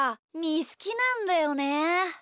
ーすきなんだよね。